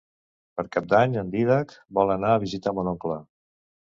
Per Cap d'Any en Dídac vol anar a visitar mon oncle.